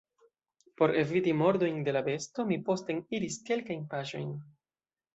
Por eviti mordojn de la besto, mi posten iris kelkajn paŝojn.